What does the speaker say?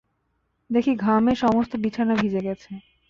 দেখি ঘামে সমস্ত বিছানা ভিজে গেছে!